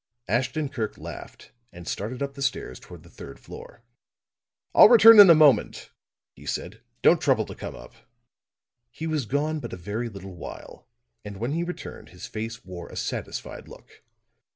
Ashton Kirk laughed, and started up the stairs toward the third floor. "I'll return in a moment," he said. "Don't trouble to come up." He was gone but a very little while, and when he returned his face wore a satisfied look.